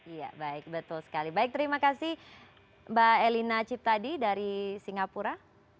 iya baik betul sekali baik terima kasih mbak elina ciptadi dari singapura